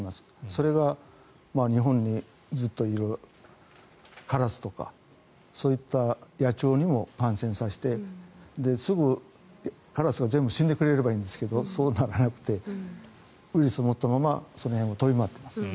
それが日本にずっといるカラスとかそういった野鳥にも感染させてカラスが全部死んでくれればいいんですけどそうならなくてウイルスを持ったままその辺を飛び回ってます。